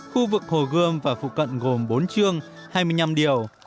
khu vực hồ gươm và phụ cận gồm bốn chương hai mươi năm điều